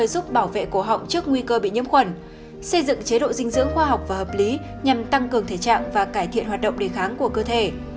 xây dựng chế độ dinh dưỡng khoa học và hợp lý nhằm tăng cường thể trạng và cải thiện hoạt động đề kháng của cơ thể